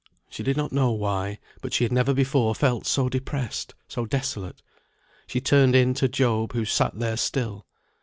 She did not know why, but she had never before felt so depressed, so desolate. She turned in to Job, who sat there still.